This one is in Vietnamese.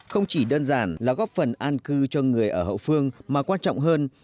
không chỉ đơn giản là góp phần an cư cho người ở hậu phương mà quan trọng hơn